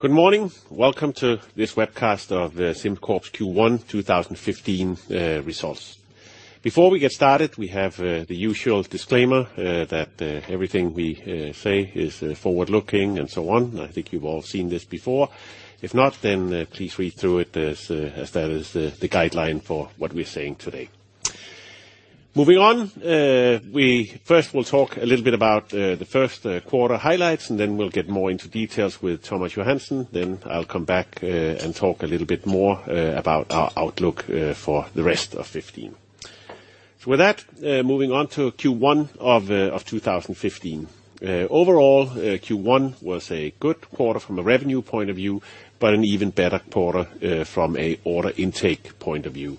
Good morning. Welcome to this webcast of SimCorp's Q1 2015 results. Before we get started, we have the usual disclaimer that everything we say is forward-looking and so on. I think you've all seen this before. If not, please read through it as that is the guideline for what we're saying today. We first will talk a little bit about the first quarter highlights, and then we'll get more into details with Thomas Johansen. I'll come back and talk a little bit more about our outlook for the rest of 2015. Moving on to Q1 of 2015. Overall, Q1 was a good quarter from a revenue point of view, but an even better quarter from an order intake point of view.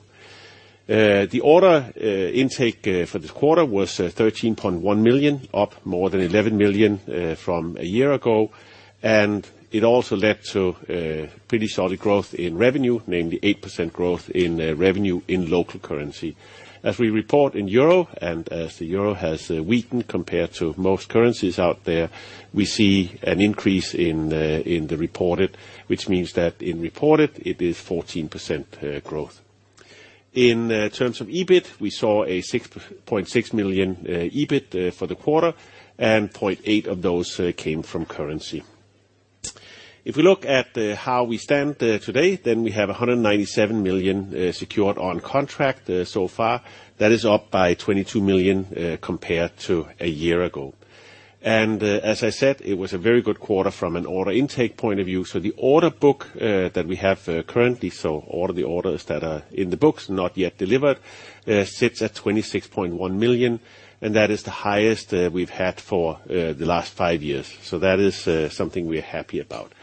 The order intake for this quarter was 13.1 million, up more than 11 million from a year ago, and it also led to pretty solid growth in revenue, namely 8% growth in revenue in local currency. As we report in EUR, and as the EUR has weakened compared to most currencies out there, we see an increase in the reported, which means that in reported it is 14% growth. In terms of EBIT, we saw a 6.6 million EBIT for the quarter, and 0.8 million of those came from currency. If we look at how we stand today, we have 197 million secured on contract so far. That is up by 22 million compared to a year ago. As I said, it was a very good quarter from an order intake point of view. The order book that we have currently, all of the orders that are in the books, not yet delivered, sits at 26.1 million, and that is the highest we've had for the last five years. That is something we're happy about.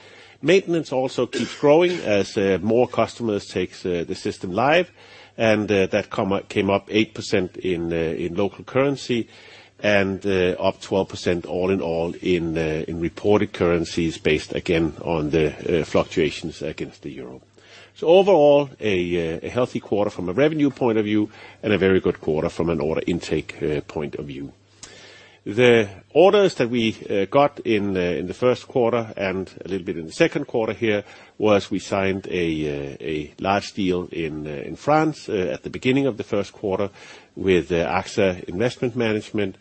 Maintenance also keeps growing as more customers take the system live, and that came up 8% in local currency and up 12% all in all in reported currencies based, again, on the fluctuations against the EUR. Overall, a healthy quarter from a revenue point of view and a very good quarter from an order intake point of view. The orders that we got in the first quarter and a little bit in the second quarter here was we signed a large deal in France at the beginning of the first quarter with AXA Investment Managers.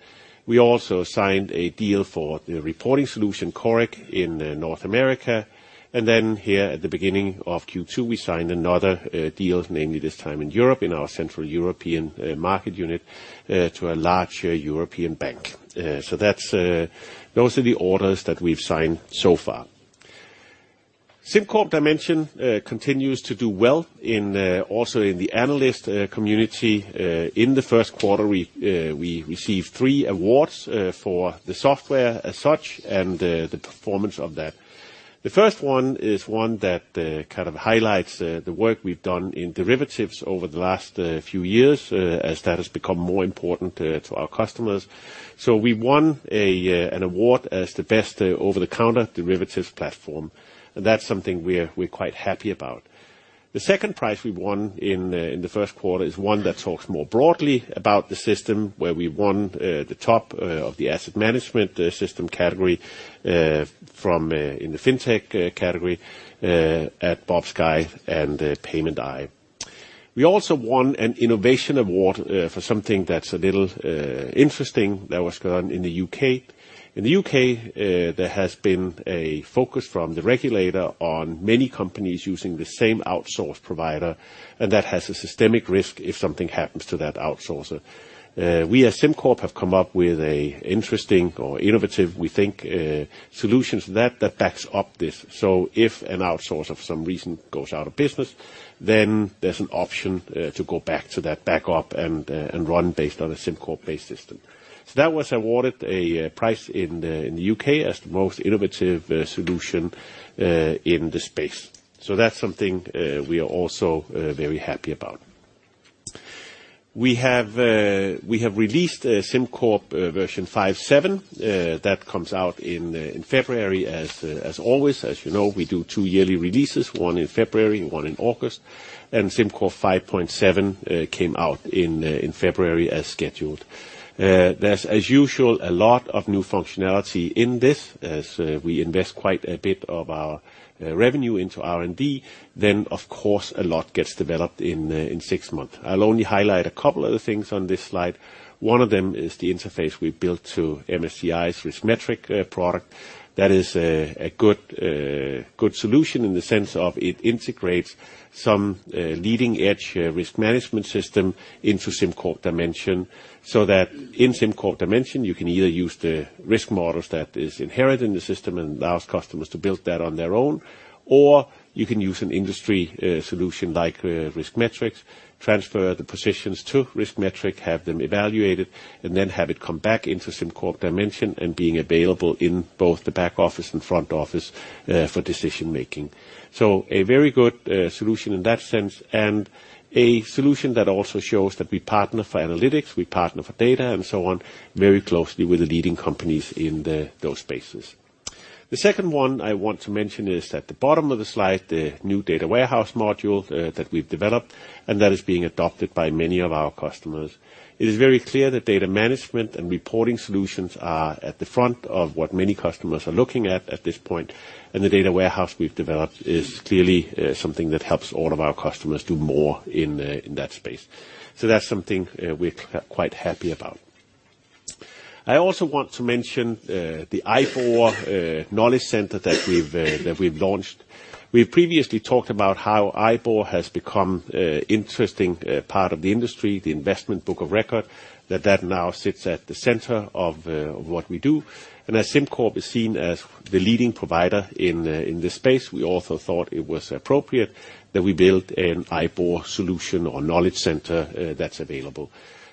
We also signed a deal for the reporting solution Coric in North America. Here at the beginning of Q2, we signed another deal, namely this time in Europe, in our Central European market unit, to a large European bank. Those are the orders that we've signed so far. SimCorp Dimension continues to do well also in the analyst community. In the first quarter, we received three awards for the software as such and the performance of that. The first one is one that kind of highlights the work we've done in derivatives over the last few years as that has become more important to our customers. We won an award as the best over-the-counter derivatives platform, and that's something we're quite happy about. The second prize we won in the first quarter is one that talks more broadly about the system, where we won the top of the asset management system category in the fintech category at Bobsguide and PaymentEye. We also won an innovation award for something that's a little interesting that was going on in the U.K. In the U.K., there has been a focus from the regulator on many companies using the same outsource provider, and that has a systemic risk if something happens to that outsourcer. We at SimCorp have come up with a interesting or innovative, we think, solution to that that backs up this. If an outsourcer for some reason goes out of business, then there's an option to go back to that backup and run based on a SimCorp-based system. That was awarded a prize in the U.K. as the most innovative solution in the space. That's something we are also very happy about. We have released SimCorp version 5.7. That comes out in February. As always, as you know, we do two yearly releases, one in February and one in August, and SimCorp 5.7 came out in February as scheduled. There's, as usual, a lot of new functionality in this, as we invest quite a bit of our revenue into R&D, then of course a lot gets developed in six months. I'll only highlight a couple of the things on this slide. One of them is the interface we built to MSCI's RiskMetrics product. That is a good solution in the sense of it integrates some leading-edge risk management system into SimCorp Dimension, so that in SimCorp Dimension, you can either use the risk models that is inherent in the system and allows customers to build that on their own, or you can use an industry solution like RiskMetrics, transfer the positions to RiskMetrics, have them evaluated, and then have it come back into SimCorp Dimension and being available in both the back office and front office for decision-making. A very good solution in that sense, and a solution that also shows that we partner for analytics, we partner for data, and so on, very closely with the leading companies in those spaces. The second one I want to mention is at the bottom of the slide, the new data warehouse module that we've developed, and that is being adopted by many of our customers. It is very clear that data management and reporting solutions are at the front of what many customers are looking at this point. The data warehouse we've developed is clearly something that helps all of our customers do more in that space. That's something we're quite happy about. I also want to mention the IBOR Knowledge Center that we've launched. We've previously talked about how IBOR has become a interesting part of the industry, the investment book of record, that now sits at the center of what we do. As SimCorp is seen as the leading provider in this space, we also thought it was appropriate that we build an IBOR solution or knowledge center that's available.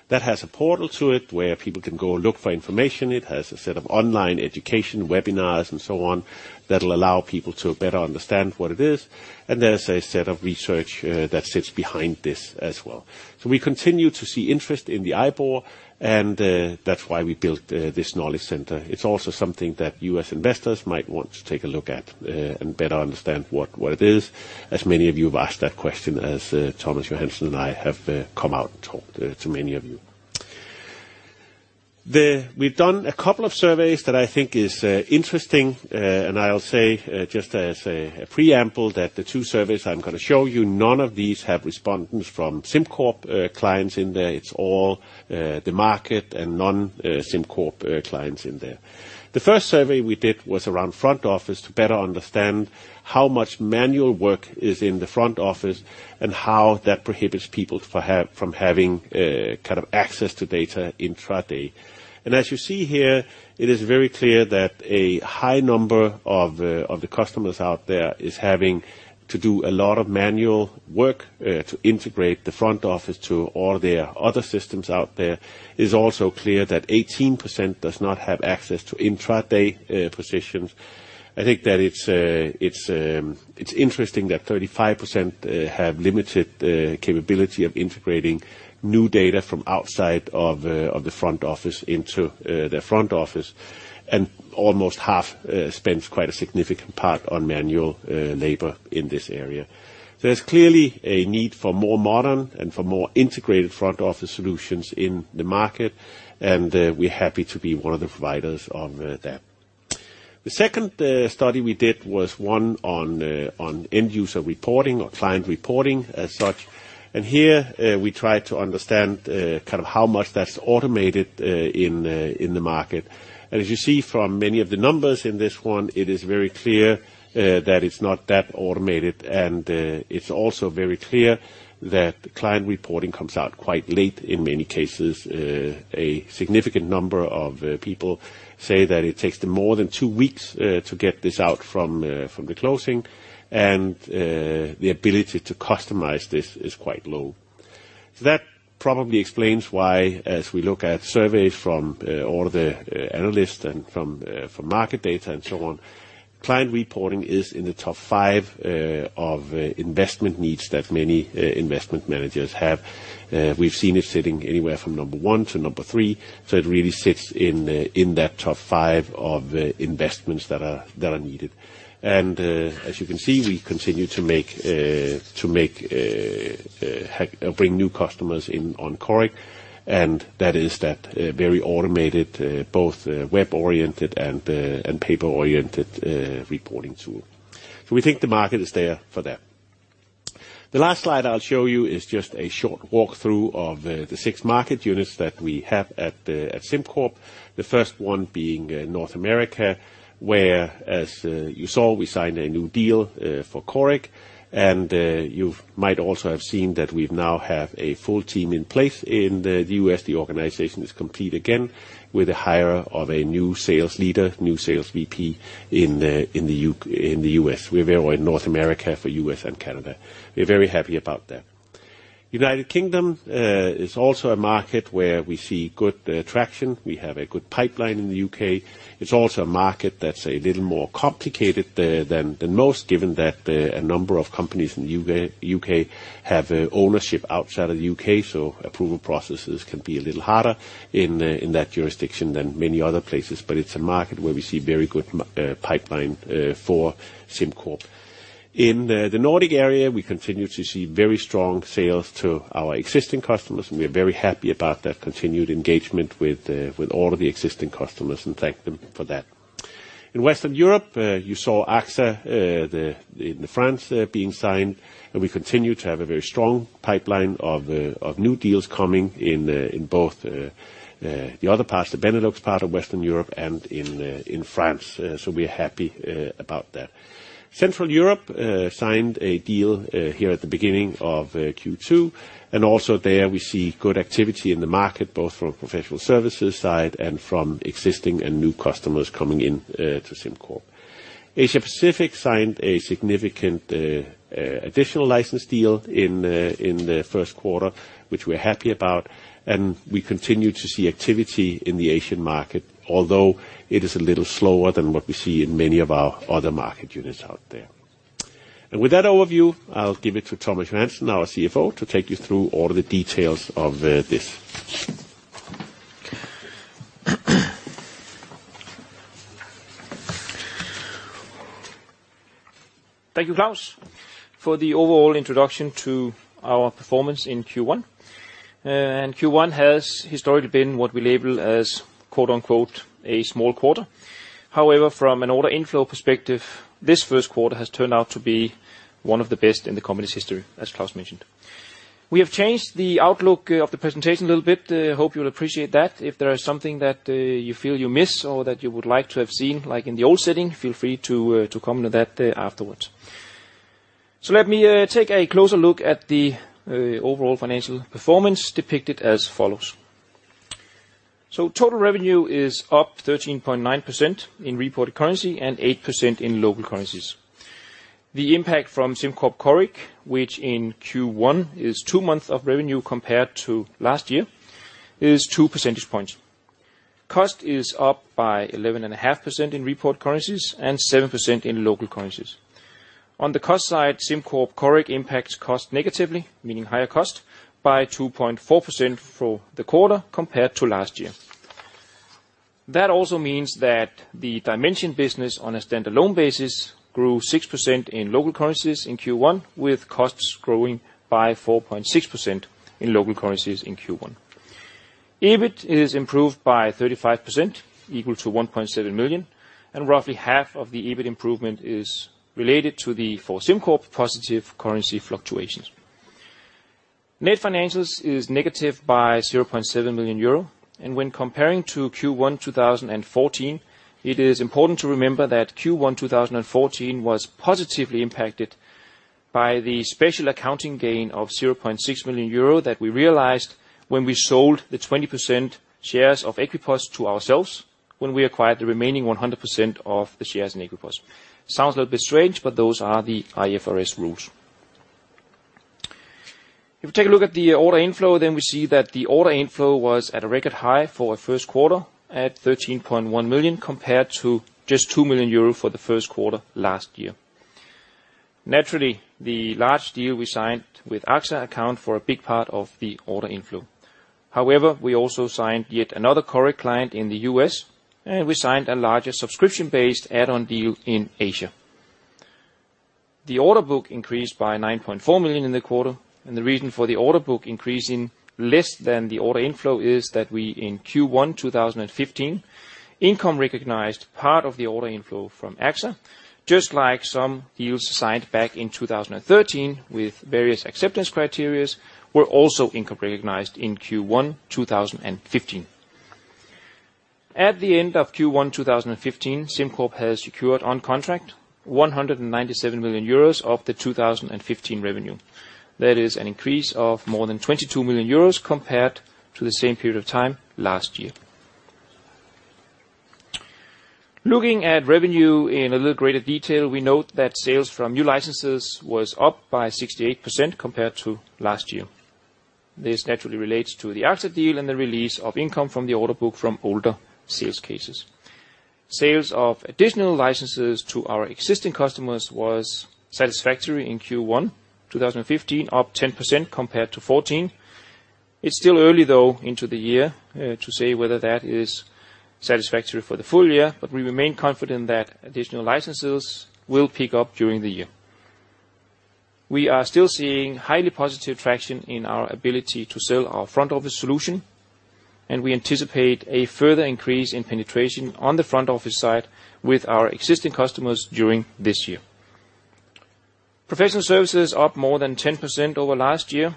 It has a portal to it where people can go look for information. It has a set of online education webinars and so on, that'll allow people to better understand what it is. There's a set of research that sits behind this as well. We continue to see interest in the IBOR, and that's why we built this knowledge center. It's also something that U.S. investors might want to take a look at and better understand what it is, as many of you have asked that question as Thomas Johansen and I have come out and talked to many of you. We've done a couple of surveys that I think is interesting. I'll say, just as a preamble, that the 2 surveys I'm going to show you, none of these have respondents from SimCorp clients in there. It's all the market and non-SimCorp clients in there. The first survey we did was around front office to better understand how much manual work is in the front office and how that prohibits people from having access to data intraday. As you see here, it is very clear that a high number of the customers out there is having to do a lot of manual work to integrate the front office to all their other systems out there. It's also clear that 18% does not have access to intraday positions. I think that it's interesting that 35% have limited capability of integrating new data from outside of the front office into their front office, and almost half spends quite a significant part on manual labor in this area. There's clearly a need for more modern and for more integrated front-office solutions in the market, and we're happy to be one of the providers of that. The second study we did was one on end-user reporting or client reporting as such. Here we tried to understand how much that's automated in the market. As you see from many of the numbers in this one, it is very clear that it's not that automated, and it's also very clear that client reporting comes out quite late in many cases. A significant number of people say that it takes them more than two weeks to get this out from the closing, and the ability to customize this is quite low. That probably explains why as we look at surveys from all of the analysts and from market data and so on, client reporting is in the top five of investment needs that many investment managers have. We've seen it sitting anywhere from number 1 to number 3, so it really sits in that top five of investments that are needed. As you can see, we continue to bring new customers in on Coric, and that is that very automated, both web-oriented and paper-oriented reporting tool. We think the market is there for that. The last slide I'll show you is just a short walkthrough of the six market units that we have at SimCorp. The first one being North America, where, as you saw, we signed a new deal for Coric. You might also have seen that we now have a full team in place in the U.S. The organization is complete again with the hire of a new sales leader, new sales VP in the U.S. We're there in North America for U.S. and Canada. We're very happy about that. United Kingdom is also a market where we see good traction. We have a good pipeline in the U.K. It's also a market that's a little more complicated there than most, given that a number of companies in the U.K. have ownership outside of the U.K., so approval processes can be a little harder in that jurisdiction than many other places. It's a market where we see very good pipeline for SimCorp. In the Nordic area, we continue to see very strong sales to our existing customers. We are very happy about that continued engagement with all of the existing customers and thank them for that. In Western Europe, you saw AXA in France being signed. We continue to have a very strong pipeline of new deals coming in both the other parts, the Benelux part of Western Europe, and in France. We're happy about that. Central Europe signed a deal here at the beginning of Q2. Also there we see good activity in the market, both from professional services side and from existing and new customers coming in to SimCorp. Asia Pacific signed a significant additional license deal in the first quarter, which we're happy about. We continue to see activity in the Asian market, although it is a little slower than what we see in many of our other market units out there. With that overview, I'll give it to Thomas Johansen, our CFO, to take you through all the details of this. Thank you, Klaus, for the overall introduction to our performance in Q1. Q1 has historically been what we label as "a small quarter". However, from an order inflow perspective, this first quarter has turned out to be one of the best in the company's history, as Klaus mentioned. We have changed the outlook of the presentation a little bit. Hope you'll appreciate that. If there is something that you feel you miss or that you would like to have seen, like in the old setting, feel free to comment on that afterwards. Let me take a closer look at the overall financial performance depicted as follows. Total revenue is up 13.9% in reported currency and 8% in local currencies. The impact from SimCorp Coric, which in Q1 is two months of revenue compared to last year, is two percentage points. Cost is up by 11.5% in reported currencies and 7% in local currencies. On the cost side, SimCorp Coric impacts cost negatively, meaning higher cost by 2.4% for the quarter compared to last year. That also means that the Dimension business, on a standalone basis, grew 6% in local currencies in Q1, with costs growing by 4.6% in local currencies in Q1. EBIT is improved by 35% equal to 1.7 million, and roughly half of the EBIT improvement is related to the, for SimCorp, positive currency fluctuations. Net financials is negative by 0.7 million euro. When comparing to Q1 2014, it is important to remember that Q1 2014 was positively impacted by the special accounting gain of 0.6 million euro that we realized when we sold the 20% shares of Equipos to ourselves when we acquired the remaining 100% of the shares in Equipos. Sounds a little bit strange, but those are the IFRS rules. We take a look at the order inflow, then we see that the order inflow was at a record high for a first quarter at 13.1 million, compared to just 2 million euro for the first quarter last year. Naturally, the large deal we signed with AXA account for a big part of the order inflow. However, we also signed yet another Coric client in the U.S., and we signed a larger subscription-based add-on deal in Asia. The order book increased by 9.4 million in the quarter, and the reason for the order book increasing less than the order inflow is that we in Q1 2015, income recognized part of the order inflow from AXA, just like some deals signed back in 2013 with various acceptance criterias, were also income recognized in Q1 2015. At the end of Q1 2015, SimCorp has secured on contract 197 million euros of the 2015 revenue. That is an increase of more than 22 million euros compared to the same period of time last year. Looking at revenue in a little greater detail, we note that sales from new licenses was up by 68% compared to last year. This naturally relates to the AXA deal and the release of income from the order book from older sales cases. Sales of additional licenses to our existing customers was satisfactory in Q1 2015, up 10% compared to 2014. It's still early, though, into the year to say whether that is satisfactory for the full year, but we remain confident that additional licenses will pick up during the year. We are still seeing highly positive traction in our ability to sell our front-office solution. We anticipate a further increase in penetration on the front-office side with our existing customers during this year. Professional services up more than 10% over last year.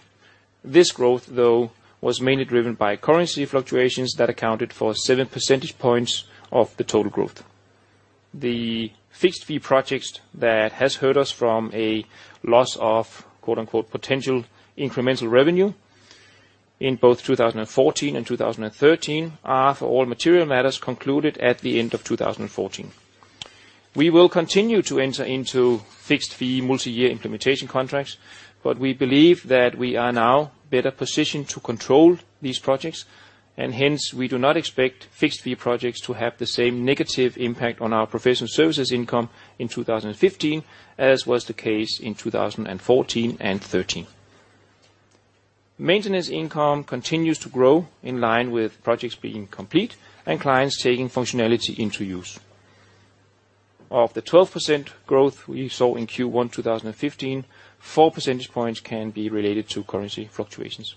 This growth, though, was mainly driven by currency fluctuations that accounted for seven percentage points of the total growth. The fixed-fee projects that has hurt us from a loss of "potential incremental revenue" in both 2014 and 2013 are, for all material matters, concluded at the end of 2014. We will continue to enter into fixed-fee multi-year implementation contracts, but we believe that we are now better positioned to control these projects, and hence, we do not expect fixed-fee projects to have the same negative impact on our professional services income in 2015 as was the case in 2014 and 2013. Maintenance income continues to grow in line with projects being complete and clients taking functionality into use. Of the 12% growth we saw in Q1 2015, four percentage points can be related to currency fluctuations.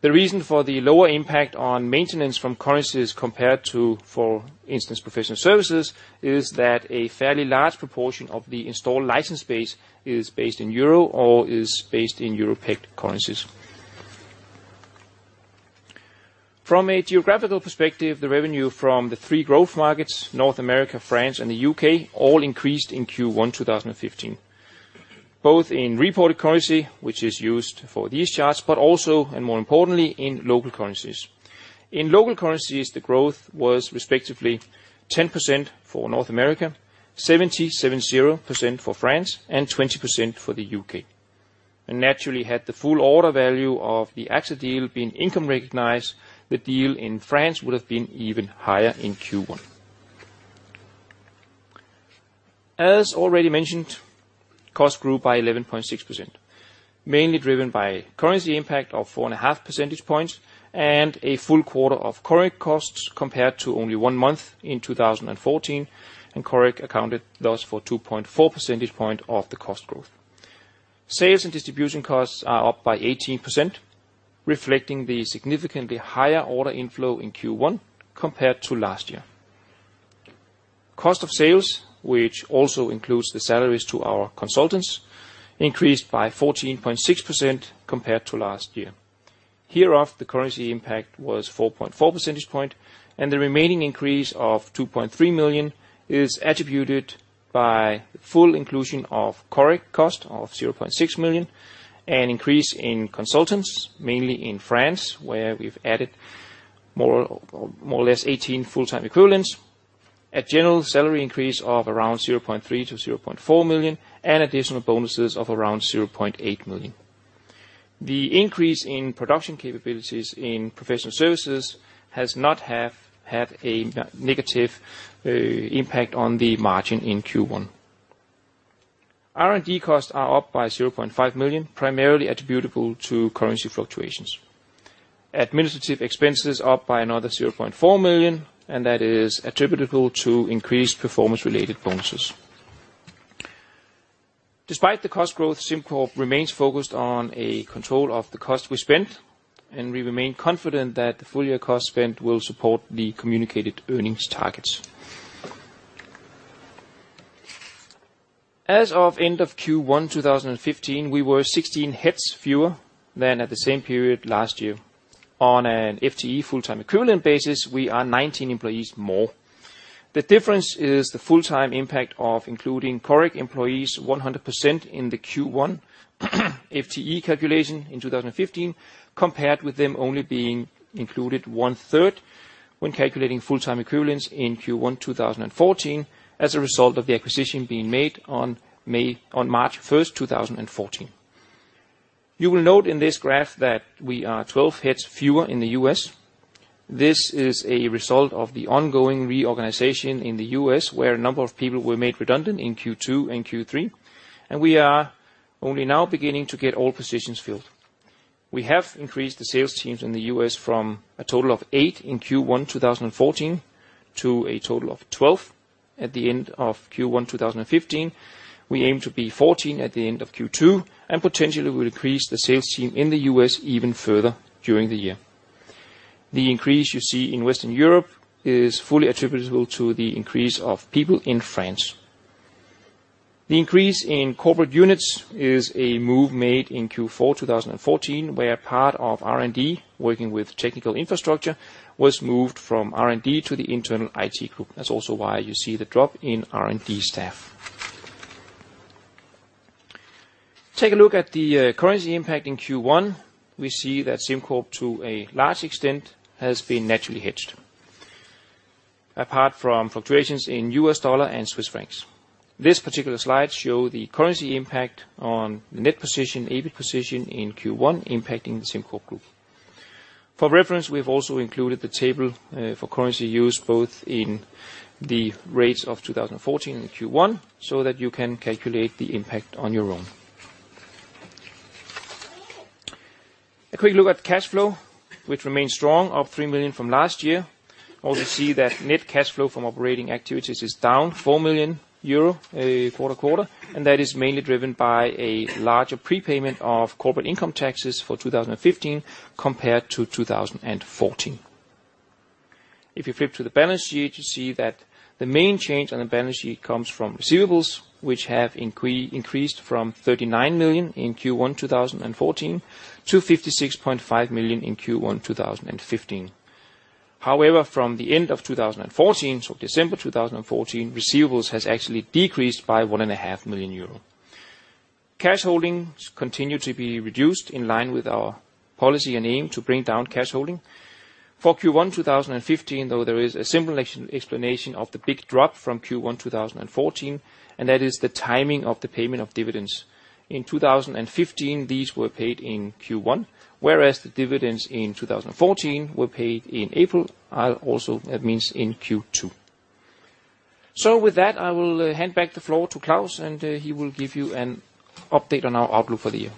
The reason for the lower impact on maintenance from currencies compared to, for instance, professional services, is that a fairly large proportion of the installed license base is based in EUR or is based in EUR-pegged currencies. From a geographical perspective, the revenue from the three growth markets, North America, France, and the U.K., all increased in Q1 2015, both in reported currency, which is used for these charts, but also, more importantly, in local currencies. In local currencies, the growth was respectively 10% for North America, 70% for France, and 20% for the U.K. Naturally, had the full order value of the AXA deal been income recognized, the deal in France would have been even higher in Q1. As already mentioned, costs grew by 11.6%, mainly driven by currency impact of four and a half percentage points and a full quarter of Coric costs compared to only one month in 2014, Coric accounted thus for 2.4 percentage point of the cost growth. Sales and distribution costs are up by 18%, reflecting the significantly higher order inflow in Q1 compared to last year. Cost of sales, which also includes the salaries to our consultants, increased by 14.6% compared to last year. Hereof, the currency impact was 4.4 percentage point. The remaining increase of 2.3 million is attributed by full inclusion of Coric cost of 0.6 million, an increase in consultants, mainly in France, where we've added more or less 18 full-time equivalents, a general salary increase of around 0.3 million to 0.4 million, and additional bonuses of around 0.8 million. The increase in production capabilities in professional services has not had a negative impact on the margin in Q1. R&D costs are up by 0.5 million, primarily attributable to currency fluctuations. Administrative expenses up by another 0.4 million. That is attributable to increased performance-related bonuses. Despite the cost growth, SimCorp remains focused on a control of the cost we spend. We remain confident that the full year cost spend will support the communicated earnings targets. As of end of Q1 2015, we were 16 heads fewer than at the same period last year. On an FTE full-time equivalent basis, we are 19 employees more. The difference is the full-time impact of including Coric employees 100% in the Q1 FTE calculation in 2015, compared with them only being included one-third when calculating full-time equivalents in Q1 2014 as a result of the acquisition being made on March 1st, 2014. You will note in this graph that we are 12 heads fewer in the U.S. This is a result of the ongoing reorganization in the U.S., where a number of people were made redundant in Q2 and Q3. We are only now beginning to get all positions filled. We have increased the sales teams in the U.S. from a total of eight in Q1 2014 to a total of 12 at the end of Q1 2015. We aim to be 14 at the end of Q2, potentially will increase the sales team in the U.S. even further during the year. The increase you see in Western Europe is fully attributable to the increase of people in France. The increase in corporate units is a move made in Q4 2014, where part of R&D working with technical infrastructure was moved from R&D to the internal IT group. That's also why you see the drop in R&D staff. Take a look at the currency impact in Q1. We see that SimCorp, to a large extent, has been naturally hedged, apart from fluctuations in U.S. dollar and Swiss francs. This particular slide show the currency impact on the net position, EBIT position in Q1 impacting the SimCorp group. For reference, we have also included the table for currency used both in the rates of 2014 and Q1 so that you can calculate the impact on your own. A quick look at cash flow, which remains strong, up 3 million from last year. See that net cash flow from operating activities is down 4 million euro quarter-over-quarter, that is mainly driven by a larger prepayment of corporate income taxes for 2015 compared to 2014. If you flip to the balance sheet, you see that the main change on the balance sheet comes from receivables, which have increased from 39 million in Q1 2014 to 56.5 million in Q1 2015. However, from the end of 2014, December 2014, receivables has actually decreased by one and a half million EUR. Cash holdings continue to be reduced in line with our policy and aim to bring down cash holding. For Q1 2015, though, there is a simple explanation of the big drop from Q1 2014, that is the timing of the payment of dividends. In 2015, these were paid in Q1, whereas the dividends in 2014 were paid in April, also it means in Q2. With that, I will hand back the floor to Klaus, he will give you an update on our outlook for the year.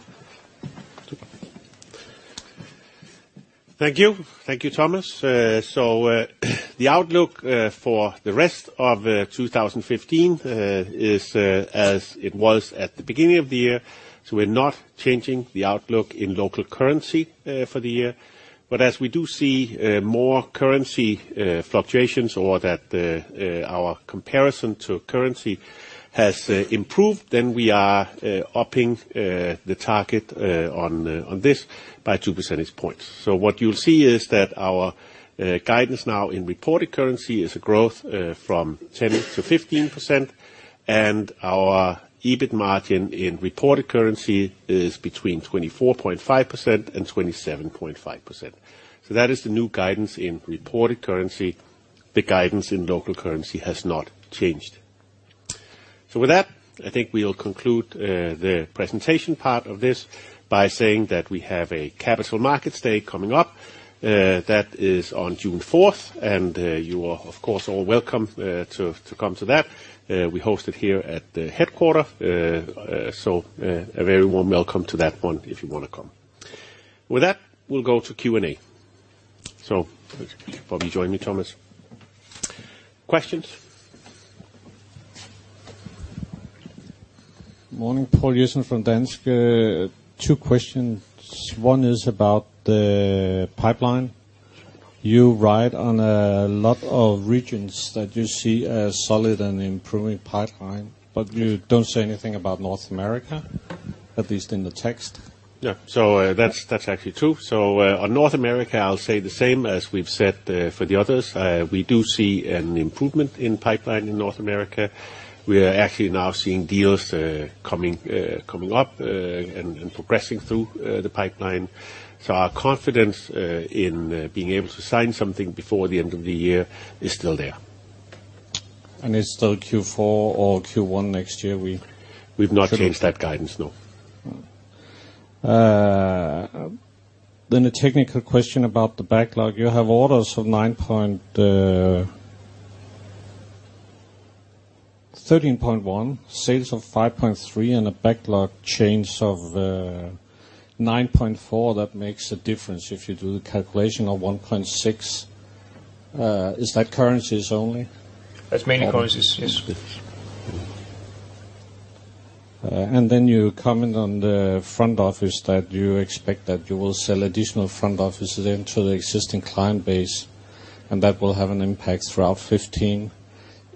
Thank you. Thank you, Thomas. The outlook for the rest of 2015 is as it was at the beginning of the year. We're not changing the outlook in local currency for the year. But as we do see more currency fluctuations or that our comparison to currency has improved, then we are upping the target on this by two percentage points. What you'll see is that our guidance now in reported currency is a growth from 10%-15%, our EBIT margin in reported currency is between 24.5% and 27.5%. That is the new guidance in reported currency. The guidance in local currency has not changed. With that, I think we'll conclude the presentation part of this by saying that we have a capital market stay coming up, that is on June 4th. You are, of course, all welcome to come to that. We host it here at the headquarter. A very warm welcome to that one if you want to come. With that, we'll go to Q&A. You probably join me, Thomas. Questions? Morning, Poul Jensen from Danske. Two questions. One is about the pipeline. You ride on a lot of regions that you see as solid and improving pipeline, you don't say anything about North America, at least in the text. Yeah. That's actually true. On North America, I'll say the same as we've said for the others. We do see an improvement in pipeline in North America. We are actually now seeing deals coming up and progressing through the pipeline. Our confidence in being able to sign something before the end of the year is still there. It's still Q4 or Q1 next year. We've not changed that guidance, no. A technical question about the backlog. You have orders of 13.1, sales of 5.3 and a backlog change of 9.4. That makes a difference if you do the calculation of 1.6. Is that currencies only? That's mainly currencies, yes. You comment on the front office that you expect that you will sell additional front offices into the existing client base, and that will have an impact throughout 2015.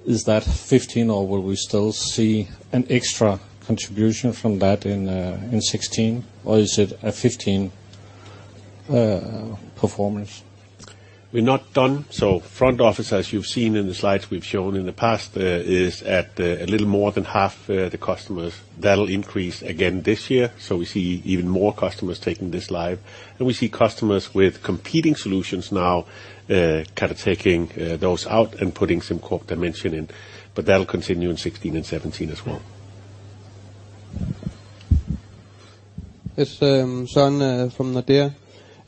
Is that 2015 or will we still see an extra contribution from that in 2016? Or is it a 2015 performance? We're not done. Front office, as you've seen in the slides we've shown in the past, is at a little more than half the customers. That'll increase again this year. We see even more customers taking this live, and we see customers with competing solutions now, kind of taking those out and putting SimCorp Dimension in. That'll continue in 2016 and 2017 as well. It's John from Nordea.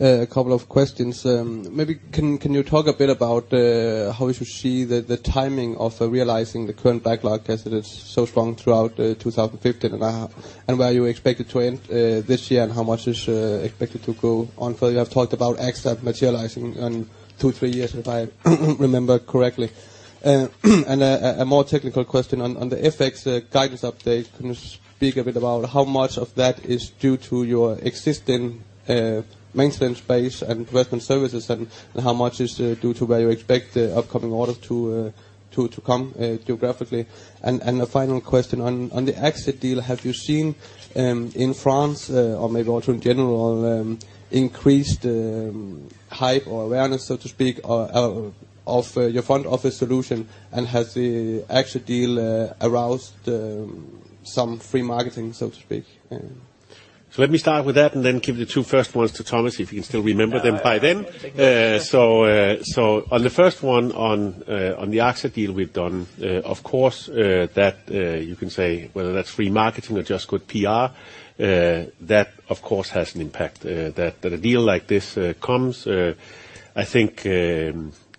A couple of questions. Can you talk a bit about how we should see the timing of realizing the current backlog as it is so strong throughout 2015 and where you expect it to end this year, and how much is expected to go on further? You have talked about AXA materializing in two, three years if I remember correctly. A more technical question on the FX guidance update. Can you speak a bit about how much of that is due to your existing maintenance base and investment services, and how much is due to where you expect the upcoming orders to come geographically? A final question, on the AXA deal, have you seen in France, or maybe also in general, increased hype or awareness, so to speak, of your front office solution? Has the AXA deal aroused some free marketing, so to speak? Let me start with that and then give the two first ones to Thomas, if you can still remember them by then. I'll take notes. On the first one on the AXA deal we've done, of course, that you can say whether that's free marketing or just good PR, that of course, has an impact, that a deal like this comes. I think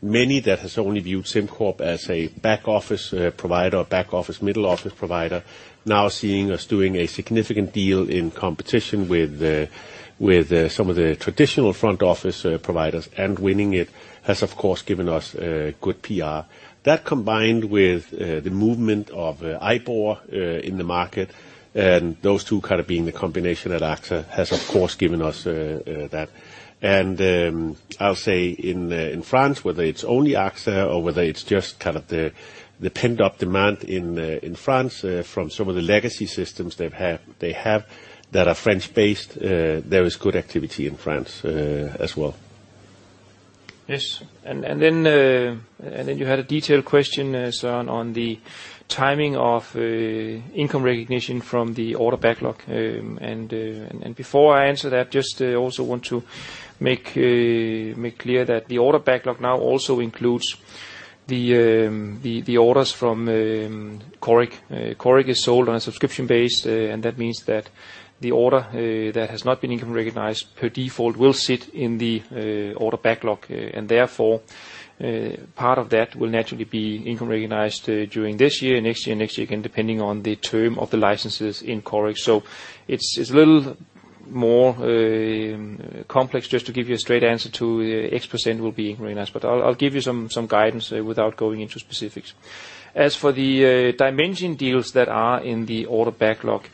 many that has only viewed SimCorp as a back office provider or back office, middle office provider, now seeing us doing a significant deal in competition with some of the traditional front office providers and winning it, has of course given us good PR. That combined with the movement of IBOR in the market, those two kind of being the combination at AXA has of course given us that. In France, whether it's only AXA or whether it's just the pent-up demand in France from some of the legacy systems they have that are French-based, there is good activity in France as well. Yes. Then you had a detailed question as on the timing of income recognition from the order backlog. Before I answer that, just also want to make clear that the order backlog now also includes the orders from Coric. Coric is sold on a subscription base, that means that the order that has not been income recognized per default will sit in the order backlog. Therefore, part of that will naturally be income recognized during this year, next year and next year again, depending on the term of the licenses in Coric. It's a little more complex just to give you a straight answer to X% will be recognized, but I'll give you some guidance without going into specifics. As for the Dimension deals that are in the order backlog,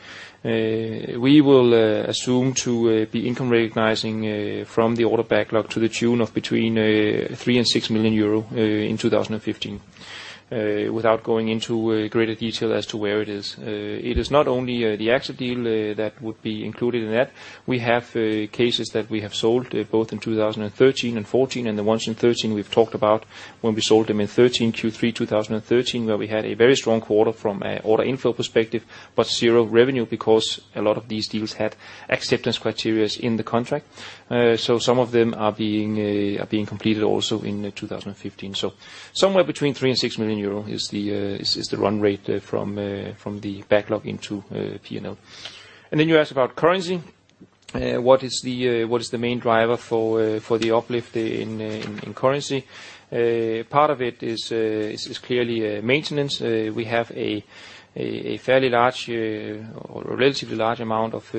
we will assume to be income recognizing from the order backlog to the tune of between 3 million and 6 million euro in 2015. Without going into greater detail as to where it is. It is not only the AXA deal that would be included in that. We have cases that we have sold both in 2013 and 2014, the ones in 2013 we've talked about when we sold them in 2013, Q3 2013, where we had a very strong quarter from an order inflow perspective, but zero revenue because a lot of these deals had acceptance criterias in the contract. Some of them are being completed also in 2015. Somewhere between 3 million and 6 million euro is the run rate from the backlog into P&L. You asked about currency. What is the main driver for the uplift in currency? Part of it is clearly maintenance. We have a fairly large, or relatively large amount of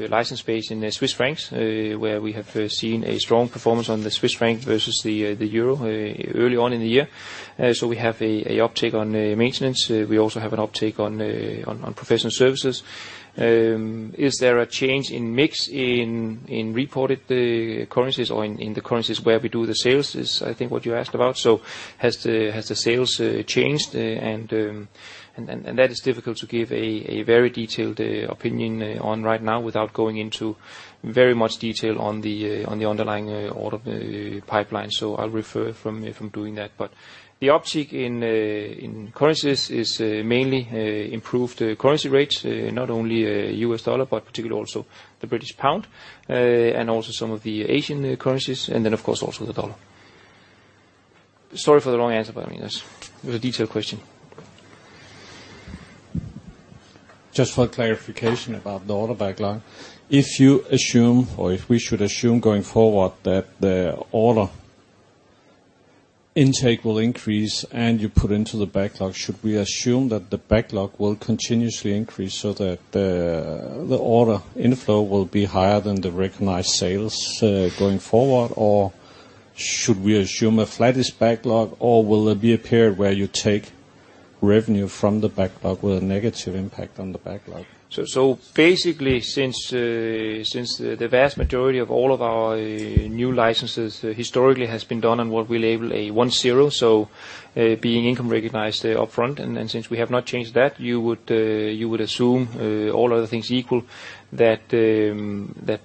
license base in CHF, where we have seen a strong performance on the CHF versus the EUR early on in the year. We have an uptick on maintenance. We also have an uptick on professional services. Is there a change in mix in reported currencies or in the currencies where we do the sales is, I think what you asked about. Has the sales changed and that is difficult to give a very detailed opinion on right now without going into very much detail on the underlying order pipeline. I'll refer from doing that. The uptick in currencies is mainly improved currency rates, not only USD, but particularly also the GBP. Also some of the Asian currencies. Then, of course, also the USD. Sorry for the long answer, it was a detailed question. Just for clarification about the order backlog. If you assume, or if we should assume going forward that the order intake will increase and you put into the backlog, should we assume that the backlog will continuously increase so that the order inflow will be higher than the recognized sales going forward? Or should we assume a flattish backlog? Or will there be a period where you take revenue from the backlog with a negative impact on the backlog? Basically, since the vast majority of all of our new licenses historically has been done on what we label a one zero, being income recognized upfront, and since we have not changed that, you would assume all other things equal, that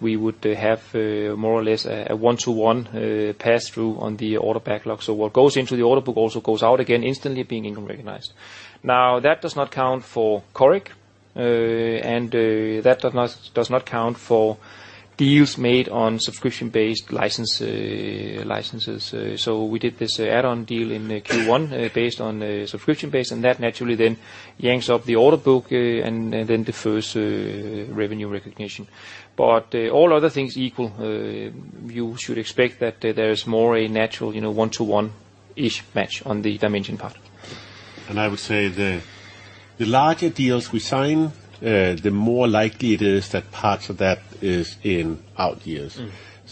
we would have more or less a one-to-one pass-through on the order backlog. What goes into the order book also goes out again instantly being income recognized. That does not count for Coric, and that does not count for deals made on subscription-based licenses. We did this add-on deal in Q1 based on a subscription base, and that naturally then yanks up the order book and then defers revenue recognition. All other things equal, you should expect that there is more a natural one-to-one-ish match on the Dimension part. I would say the larger deals we sign, the more likely it is that parts of that is in out years.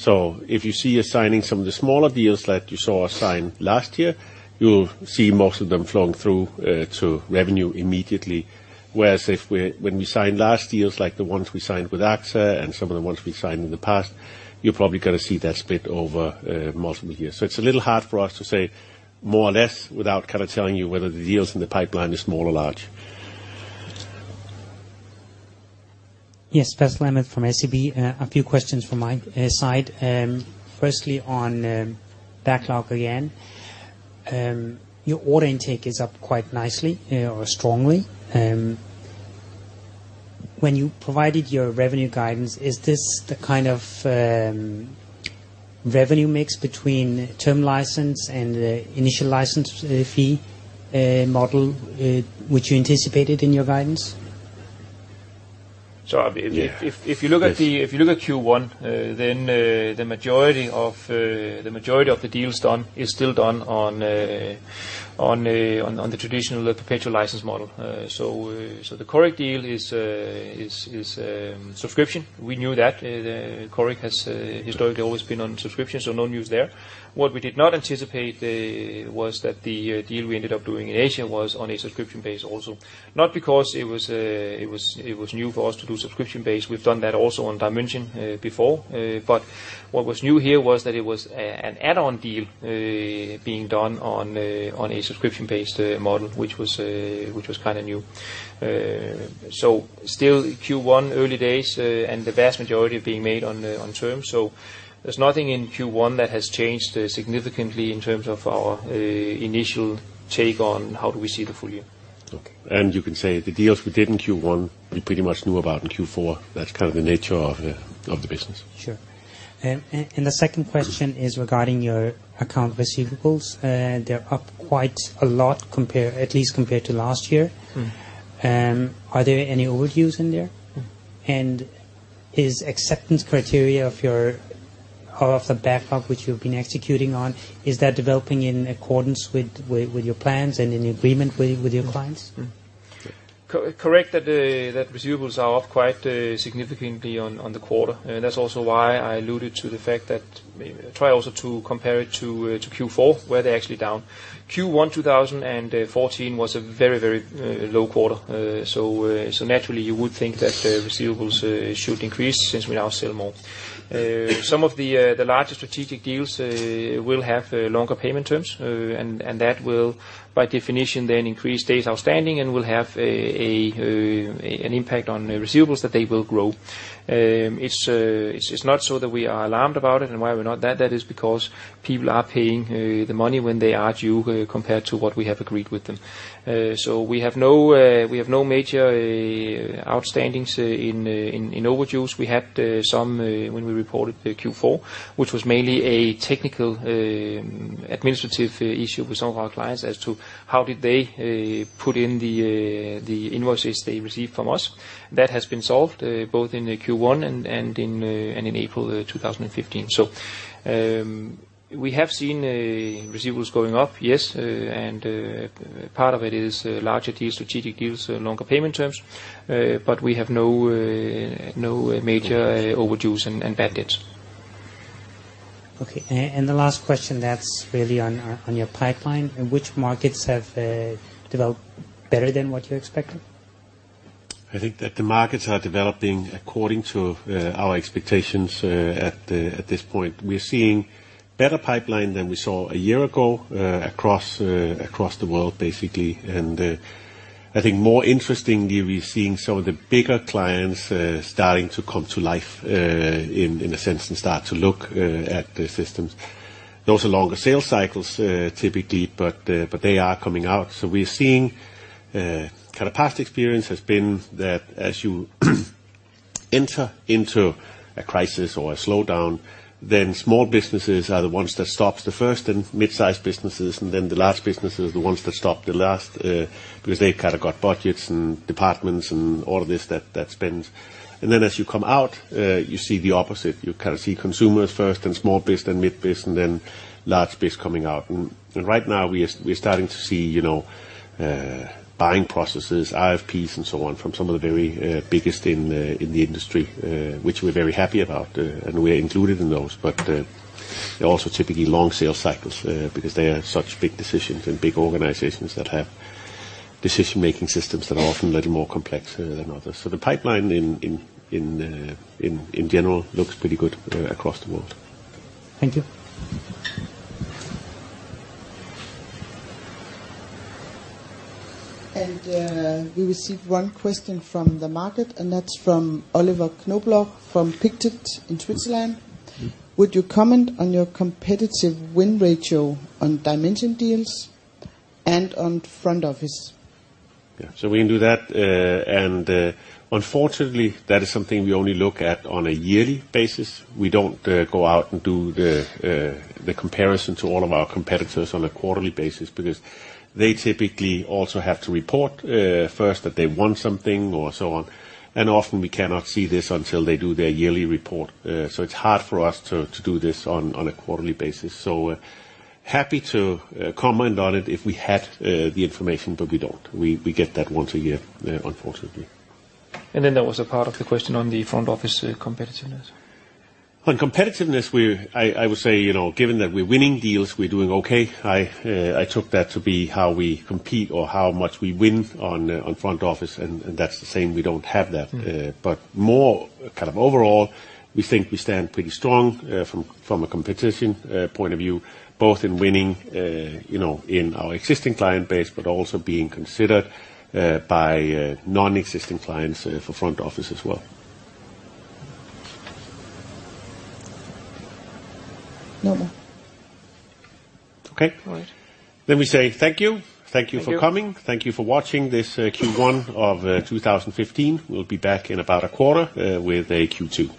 If you see us signing some of the smaller deals that you saw us sign last year, you'll see most of them flowing through to revenue immediately. Whereas when we signed last year's, like the ones we signed with AXA and some of the ones we signed in the past, you're probably going to see that split over multiple years. It's a little hard for us to say more or less without kind of telling you whether the deals in the pipeline are small or large. Yes. Percival Lambert from SEB. A few questions from my side. Firstly, on backlog again. Your order intake is up quite nicely or strongly. When you provided your revenue guidance, is this the kind of revenue mix between term license and initial license fee model which you anticipated in your guidance? If you look at Q1, the majority of the deals done is still done on the traditional perpetual license model. The Coric deal is subscription. We knew that. Coric has historically always been on subscription, no news there. What we did not anticipate was that the deal we ended up doing in Asia was on a subscription base also. Not because it was new for us to do subscription-based. We've done that also on Dimension before. What was new here was that it was an add-on deal being done on a subscription-based model, which was kind of new. Still Q1, early days, and the vast majority are being made on term. There's nothing in Q1 that has changed significantly in terms of our initial take on how do we see the full year. Okay. You can say the deals we did in Q1, we pretty much knew about in Q4. That's kind of the nature of the business. Sure. The second question is regarding your account receivables. They're up quite a lot, at least compared to last year. Are there any overdues in there? Is acceptance criteria of the backup which you've been executing on, is that developing in accordance with your plans and in agreement with your clients? Correct, that receivables are up quite significantly on the quarter. That's also why I alluded to the fact that try also to compare it to Q4, where they're actually down. Q1 2014 was a very low quarter. Naturally you would think that receivables should increase since we now sell more. Some of the larger strategic deals will have longer payment terms, and that will by definition then increase days outstanding and will have an impact on receivables that they will grow. It's not so that we are alarmed about it and why we're not, that is because people are paying the money when they are due, compared to what we have agreed with them. We have no major outstandings in overdues. We had some when we reported Q4, which was mainly a technical administrative issue with some of our clients as to how did they put in the invoices they received from us. That has been solved both in Q1 and in April 2015. We have seen receivables going up, yes, and part of it is larger deal, strategic deals, longer payment terms. We have no major overdues and bad debts. Okay. The last question, that's really on your pipeline. Which markets have developed better than what you're expecting? I think that the markets are developing according to our expectations at this point. We're seeing better pipeline than we saw a year ago, across the world, basically. I think more interestingly, we're seeing some of the bigger clients starting to come to life, in a sense, and start to look at the systems. Those are longer sales cycles, typically, but they are coming out. We're seeing past experience has been that as you enter into a crisis or a slowdown, then small businesses are the ones that stop the first, and mid-size businesses, and then the large businesses are the ones that stop the last, because they've kind of got budgets and departments and all of this that spends. As you come out, you see the opposite. You kind of see consumers first, then small biz, then mid biz, and then large biz coming out. Right now we are starting to see buying processes, RFPs and so on, from some of the very biggest in the industry, which we're very happy about. We're included in those. They're also typically long sales cycles, because they are such big decisions and big organizations that have decision-making systems that are often a little more complex than others. The pipeline in general looks pretty good across the world. Thank you. We received one question from the market, and that's from Oliver Knobloch from Pictet in Switzerland. Would you comment on your competitive win ratio on Dimension deals and on front office? We can do that, unfortunately, that is something we only look at on a yearly basis. We don't go out and do the comparison to all of our competitors on a quarterly basis, because they typically also have to report first that they want something or so on. Often we cannot see this until they do their yearly report. It's hard for us to do this on a quarterly basis. Happy to comment on it if we had the information, but we don't. We get that once a year, unfortunately. There was a part of the question on the front office competitiveness. On competitiveness, I would say, given that we're winning deals, we're doing okay. I took that to be how we compete or how much we win on front office, and that's the same, we don't have that. More kind of overall, we think we stand pretty strong from a competition point of view, both in winning in our existing client base, but also being considered by non-existing clients for front office as well. No more. Okay. All right. We say thank you. Thank you. Thank you for coming. Thank you for watching this Q1 of 2015. We'll be back in about a quarter with a Q2.